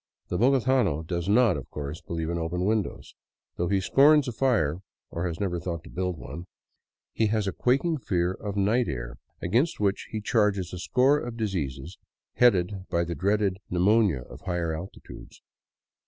The bogotano does not, of course, believe in open windows. Though he scorns a fire — or has never thought to build one — he has a quaking fear of the night air, against which he charges a score of diseases headed by the dreaded pneu monia of high altitudes.